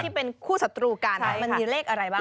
เลขที่เป็นคู่สตูกันมันมีเลขอะไรบ้างคะ